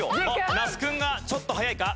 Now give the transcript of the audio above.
那須君がちょっと速いか？